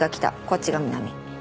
こっちが南。